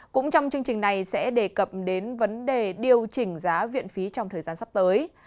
cũng trong chương trình này sẽ đề cập đến vấn đề điều chỉnh giá viện phí trong thời gian sắp tới